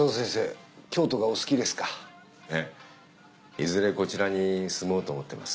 いずれこちらに住もうと思ってます。